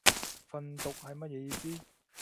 訓讀係乜嘢意思